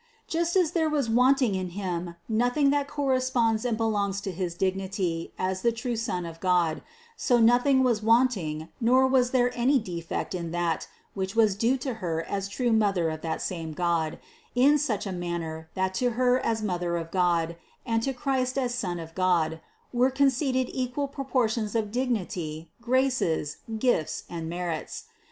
Just as there was wanting in Him nothing that corresponds and belongs to his dignity as the true Son of God, so nothing was wanting, nor was there any defect in that, which was due to Her as true Mother of that same God, in such a manner that to Her as Mother of God, and to Christ as Son of God, were 228 CITY OF GOD conceded equal proportions of dignity, graces, gifts and merits.